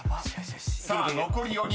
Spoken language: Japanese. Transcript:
［さあ残り４人。